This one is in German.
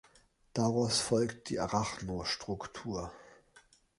Daraus folgt die arachno-Struktur.